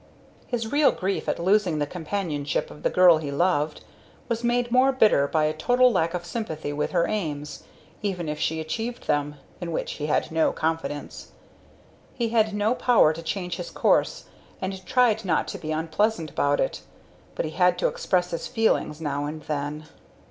His real grief at losing the companionship of the girl he loved, was made more bitter by a total lack of sympathy with her aims, even if she achieved them in which he had no confidence. He had no power to change his course, and tried not to be unpleasant about it, but he had to express his feelings now and then.